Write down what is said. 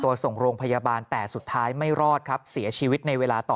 ตัวส่งโรงพยาบาลแต่สุดท้ายไม่รอดครับเสียชีวิตในเวลาต่อ